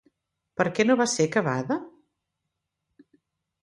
Per què no va ser acabada?